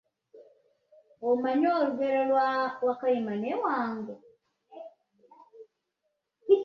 Omanyi olugero lwa "Wakayima ne Wango?"